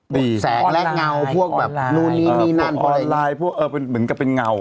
แสงและเงาพวกแบบนู่นนี่นี่นั่นออนไลน์พวกเออเป็นเหมือนกับเป็นเงา